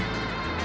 jangan makan aku